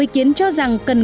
nhiều ý kiến cho rằng cần cần